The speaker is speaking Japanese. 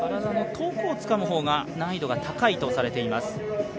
遠くをつかむ方が難易度が高いとされています。